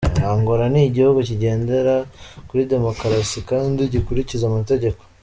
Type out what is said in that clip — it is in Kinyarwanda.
"Angola ni igihugu kigendera kuri demokarasi kandi gikurikiza amategeko.